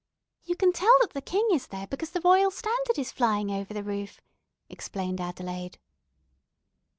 "You can tell that the king is there because the royal standard is flying over the roof," explained Adelaide.